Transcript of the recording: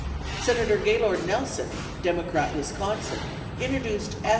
Senator Gay lord Nelson (Democrat, 'Wisconsin) introduced S.